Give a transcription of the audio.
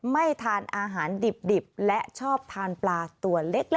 ไม่ทานอาหารดิบและชอบทานปลาตัวเล็ก